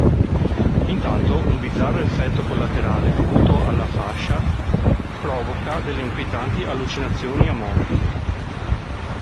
Intanto un bizzarro effetto collaterale dovuto alla fascia provoca delle inquietanti allucinazioni a Monkey.